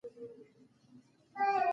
ځينې کسان ممکن خپلو چارو کې فعال واوسي.